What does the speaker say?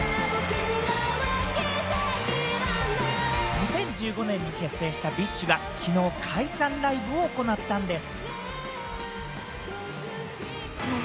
２０１５年に結成したＢｉＳＨがきのう解散ライブを行ったんでぃす。